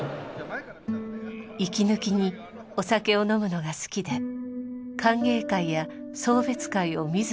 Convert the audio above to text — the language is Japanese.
息抜きにお酒を飲むのが好きで歓迎会や送別会を自ら企画。